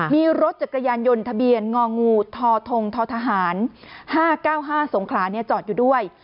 มีรถจักรยานยนต์ทะเบียนงองูทธทหาร๕๙๕สงขลาจอดอยู่ด้วย